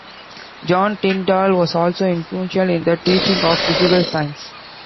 John Tyndall was also influential in the teaching of physical science.